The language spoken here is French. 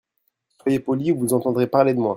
Soyez poli ou vous entendrez parler de moi.